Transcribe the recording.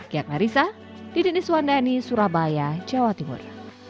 kia klarissa di dini suwandani surabaya jawa timur